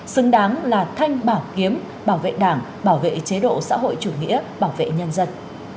xứng đáng là thanh bảo kiếm bảo vệ đảng bảo vệ chế độ xã hội chủ nghĩa bảo vệ nhân dân